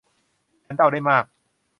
ฉันเดาได้มาก